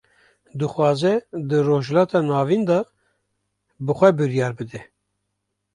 Dixwaze di Rojhilata Navîn de, bi xwe biryar bide